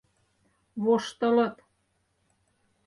Воштылыт.